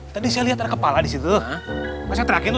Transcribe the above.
tadi saya liat ada kepala disitu